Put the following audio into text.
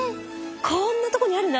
こんなとこにあるの？